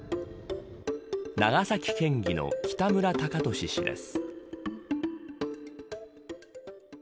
長崎県議の北村貴寿氏です。